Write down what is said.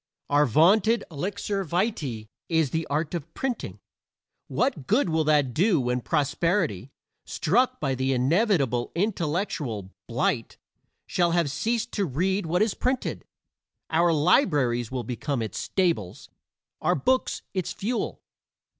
Our vaunted elixir vitae is the art of printing. What good will that do when posterity, struck by the inevitable intellectual blight, shall have ceased to read what is printed? Our libraries will become its stables, our books its fuel.